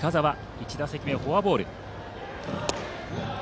１打席目はフォアボールでした。